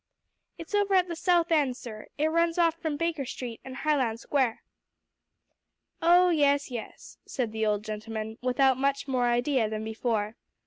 "It's over at the South End, sir; it runs off from Baker Street and Highland Square." "Oh yes, yes," said the old gentleman, without much more idea than before.